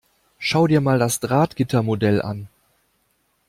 Schau dir mal das Drahtgittermodell an.